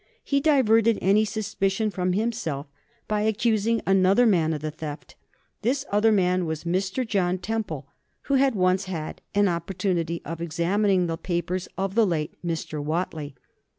He diverted any suspicion from himself by accusing another man of the theft. This other man was a Mr. John Temple, who had once had an opportunity of examining the papers of the late Mr. Whately.